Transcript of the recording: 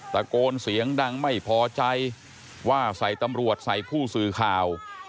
ตะโกนเสียงดังไม่พอใจว่าใส่ตำรวจใส่ผู้สื่อข่าว